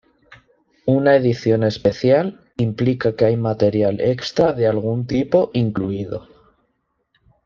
Una edición especial implica que hay material extra de algún tipo incluido.